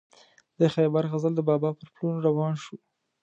د خیبر غزل د بابا پر پلونو روان شو.